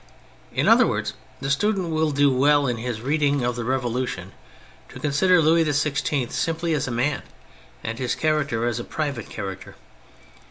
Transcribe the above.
In other words, the student will do wxU, in his reading of the Revolution, to consider Louis XVI simply as a man, and his character as a private character.